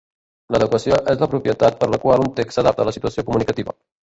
L'adequació és la propietat per la qual un text s'adapta a la situació comunicativa.